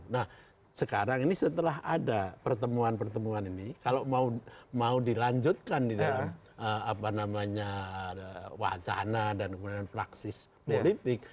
nah sekarang ini setelah ada pertemuan pertemuan ini kalau mau dilanjutkan di dalam wacana dan kemudian praksis politik